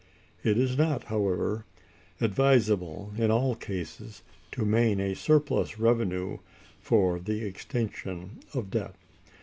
It is not, however, advisable in all cases to maintain a surplus revenue for the extinction of debt.